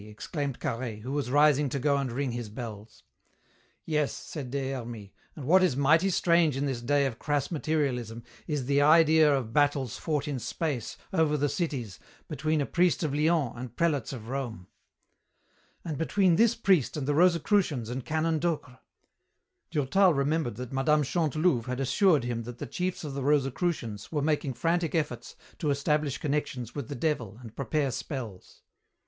exclaimed Carhaix, who was rising to go and ring his bells. "Yes," said Des Hermies, "and what is mighty strange in this day of crass materialism is the idea of battles fought in space, over the cities, between a priest of Lyons and prelates of Rome." "And between this priest and the Rosicrusians and Canon Docre." Durtal remembered that Mme. Chantelouve had assured him that the chiefs of the Rosicrucians were making frantic efforts to establish connections with the devil and prepare spells.